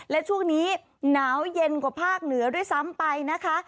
และช่วงนี้หนาวเย็นกว่าภาคเหนือด้วยซ้ำไปนะคะ